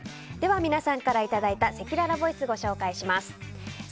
皆さんからいただいたせきららボイスご紹介します。